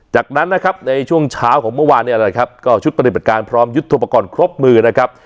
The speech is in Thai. จากนั้นนะครับในช่วงเช้าของเมื่อวานเนี่ยนะครับก็ชุดปฏิบัติการพร้อมยุทธโปรกรณ์ครบมือนะครับ